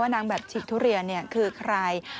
นางแบบฉีกทุเรียนคือใคร